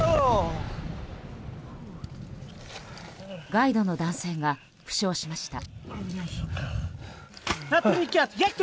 ガイドの男性が負傷しました。